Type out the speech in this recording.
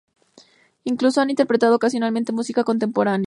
Incluso han interpretado ocasionalmente música contemporánea.